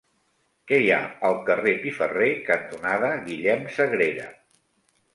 Què hi ha al carrer Piferrer cantonada Guillem Sagrera?